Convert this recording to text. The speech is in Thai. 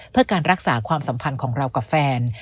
เพื่อการรักษาความสัมพันธ์ของเรากับแฟน